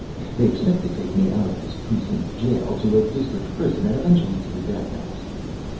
They expect to take me out of this precinct jail to the District prison and eventually to the death house.